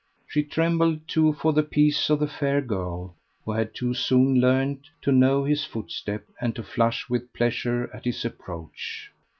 She trembled too for the peace of the fair girl, who had too soon learned to know his footstep, and to flush with pleasure at his approach.